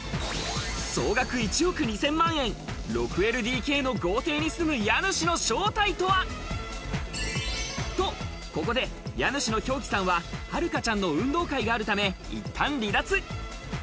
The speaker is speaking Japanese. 総額１億２千万円、６ＬＤＫの豪邸に住む家主の正体とは？と、ここで家主の兵紀さんは遙夏ちゃんの運動会があるため、一旦離脱。